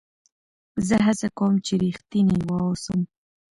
زه هڅه کوم، چي رښتینی واوسم.